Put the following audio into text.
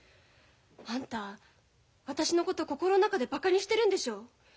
あんた私のこと心の中でバカにしてるんでしょ。